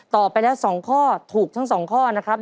ต่อไปแล้วสองข้อถูกทั้งสองข้อนะครับ